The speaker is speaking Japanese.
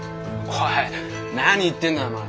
おい何言ってんだお前。